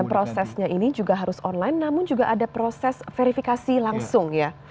dan prosesnya ini juga harus online namun juga ada proses verifikasi langsung ya